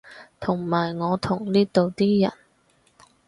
同埋我同呢度啲人